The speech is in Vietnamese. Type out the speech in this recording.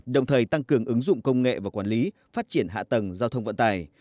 đồng thời tăng cường ứng dụng công nghệ và quản lý phát triển hạ tầng giao thông vận tải